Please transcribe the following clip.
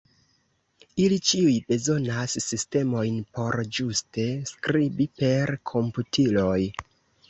Ili ĉiuj bezonas sistemojn por ĝuste skribi per komputiloj.